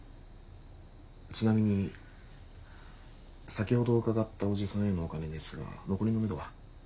ちなみに先ほどうかがったおじさんへのお金ですが残りのめどは？